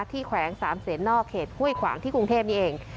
แขวงสามเศษนอกเขตห้วยขวางที่กรุงเทพนี่เอง